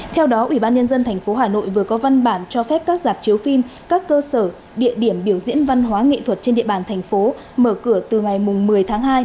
theo đó ubnd tp hà nội vừa có văn bản cho phép các giạp chiếu phim các cơ sở địa điểm biểu diễn văn hóa nghệ thuật trên địa bàn thành phố mở cửa từ ngày một mươi tháng hai